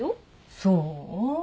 そう？